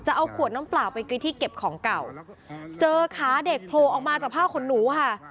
เอาขวดน้ำเปล่าไปกินที่เก็บของเก่าเจอขาเด็กโผล่ออกมาจากผ้าขนหนูค่ะ